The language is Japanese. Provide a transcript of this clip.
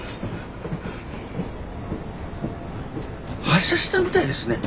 発車したみたいですね。